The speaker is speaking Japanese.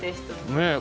ねえ。